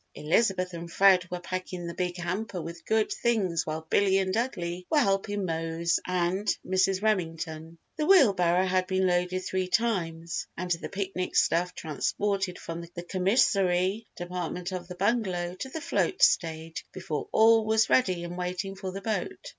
Elizabeth and Fred were packing the big hamper with good things while Billy and Dudley were helping Mose and Mrs. Remington. The wheel barrow had been loaded three times and the picnic stuff transported from the commissary department of the bungalow to the float stage before all was ready and waiting for the boat.